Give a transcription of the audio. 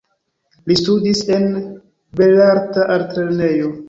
Li studis en Belarta Altlernejo.